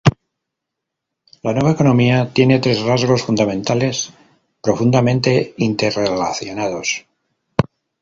La Nueva Economía tiene tres rasgos fundamentales, profundamente interrelacionados.